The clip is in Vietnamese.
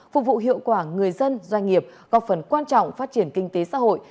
phục vụ hiệu quả người dân doanh nghiệp góp phần quan trọng phát triển kinh tế xã hội